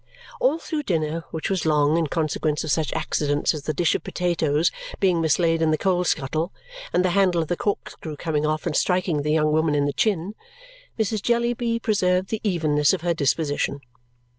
All through dinner which was long, in consequence of such accidents as the dish of potatoes being mislaid in the coal skuttle and the handle of the corkscrew coming off and striking the young woman in the chin Mrs. Jellyby preserved the evenness of her disposition.